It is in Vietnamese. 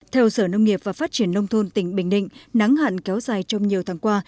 theo sở nông nghiệp và phát triển nông thôn tỉnh bình định nắng hạn kéo dài trong nhiều tháng qua